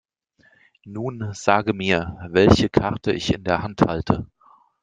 Nun sage mir, welche Karte ich in der Hand halte.